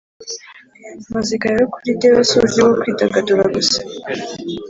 Muzika rero kuri jyewe, si uburyo bwo kwidagadura gusa